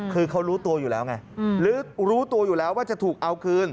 คือเขารู้ตัวอยู่แล้วไงหรือรู้ตัวอยู่แล้วว่าจะถูกเอาคืน